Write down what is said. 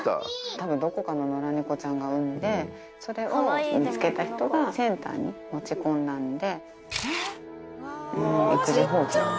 たぶんどこかの野良猫ちゃんが産んでそれを見つけた人がセンターに持ち込んだんで。